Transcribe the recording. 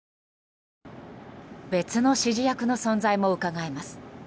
別の指示役の存在もうかがえます。